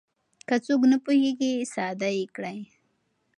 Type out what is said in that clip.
که څوک نه پوهېږي ساده يې کړئ.